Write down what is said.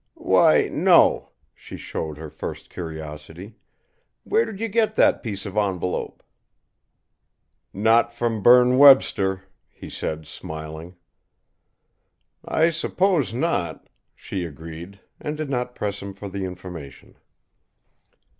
"Why, no." She showed her first curiosity: "Where did you get that piece of envelope?" "Not from Berne Webster," he said, smiling. "I suppose not," she agreed, and did not press him for the information.